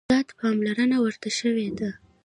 زیاته پاملرنه ورته شوې ده.